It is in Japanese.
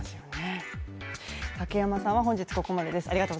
竹山さんは本日ここまでです。